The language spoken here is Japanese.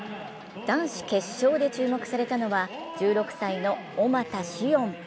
男子決勝で注目されたのは１６歳の小俣史温。